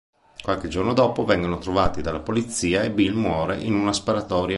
Qualche giorno dopo vengono trovati dalla polizia e Bill muore in una sparatoria.